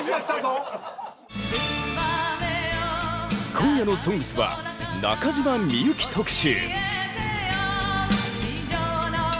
今夜の「ＳＯＮＧＳ」は中島みゆき特集。